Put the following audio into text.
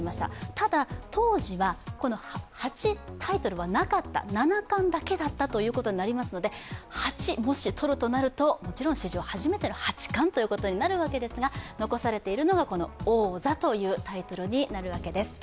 ただ、当時は８タイトルはなかった、七冠だけだったということになりますので８、もしとるとなると史上初めての八冠ということになるわけですが、残されているのは王座というタイトルになるわけです。